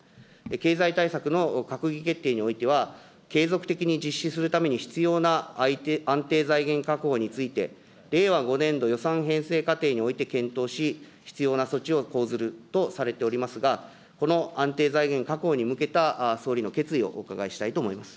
経済対策の閣議決定においては、継続的に実施するために、必要な安定財源確保について、令和５年度予算編成過程において検討し、必要な措置を講ずるとされておりますが、この安定財源確保に向けた総理の決意をお伺いしたいと思います。